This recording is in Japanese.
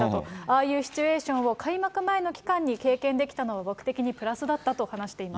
ああいうシチュエーションを開幕前の期間に経験できたのは、僕的にプラスだったと話しています。